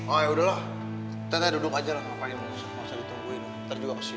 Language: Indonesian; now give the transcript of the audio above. oh yaudahlah teh duduk aja lah ngapain masa ditungguin nanti juga kesini